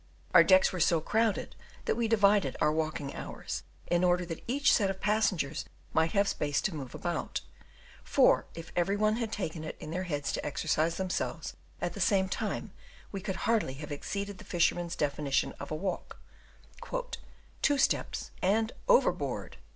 Our decks were so crowded that we divided our walking hours, in order that each set of passengers might have space to move about; for if every one had taken it into their heads to exercise themselves at the same time, we could hardly have exceeded the fisherman's definition of a walk, "two steps and overboard."